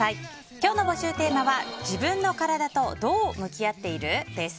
今日の募集テーマは自分のカラダとどう向き合っている？です。